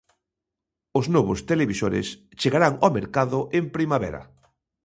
Os novos televisores chegarán ó mercado en primavera.